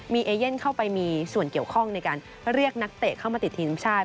มีเอเย่นเข้าไปมีส่วนเกี่ยวข้องในการเรียกนักเตะเข้ามาติดทีมชาติ